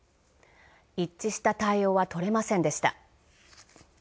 一致した対応は取れませんでした。